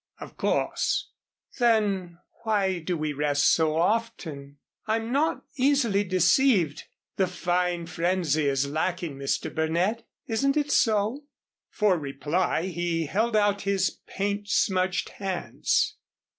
"Of course." "Then why do we rest so often? I'm not easily deceived. The fine frenzy is lacking, Mr. Burnett isn't it so?" For reply he held out his paint smudged hands.